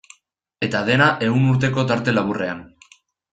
Eta dena ehun urteko tarte laburrean.